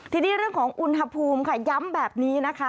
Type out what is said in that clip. ทีนี้เรื่องของอุณหภูมิค่ะย้ำแบบนี้นะคะ